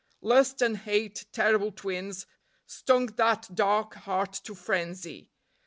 Lust and hate, terrible twins, stung that dark heart to frenzy.